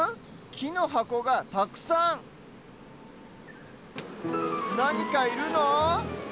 きのはこがたくさんなにかいるの？